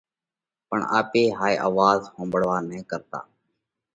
پڻ آپي ھائي آواز ۿومڀۯوا نھ ڪرتا